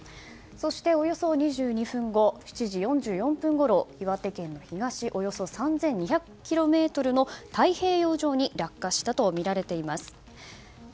そして、およそ２２分後７時４４分ごろ岩手県の東およそ３２００ｋｍの太平洋上に落下したとみられています。